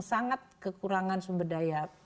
sangat kekurangan sumber daya